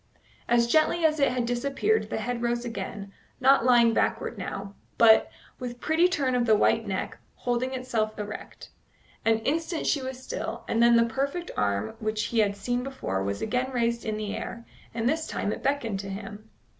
As gently as it had disappeared the head rose again, not lying backward now, but, with pretty turn of the white neck, holding itself erect. An instant she was still, and then the perfect arm which he had seen before was again raised in the air, and this time it beckoned to him.